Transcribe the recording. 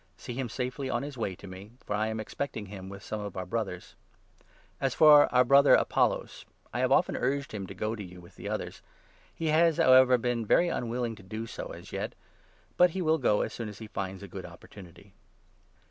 See him safely on his way to me, for I am expecting him with some of our Brothers. As for our Brother Apollos, I have often urged 12 Apoiios. ^^ t£) g.Q to yOU ^{.jj the others. He has, how ever, been very unwilling to do so as yet ; but he will go as soon as he finds a good opportunity.